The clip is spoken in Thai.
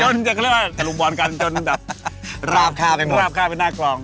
จนจะเรียกว่าถลุงบอลกันจนแบบราบค่าเป็นหน้ากรอง